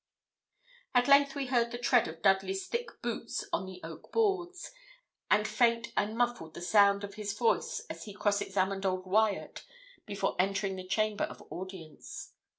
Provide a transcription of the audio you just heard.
At length we heard the tread of Dudley's thick boots on the oak boards, and faint and muffled the sound of his voice as he cross examined old Wyat before entering the chamber of audience.